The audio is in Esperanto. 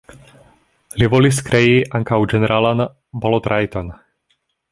Li volis krei ankaŭ ĝeneralan balotrajton.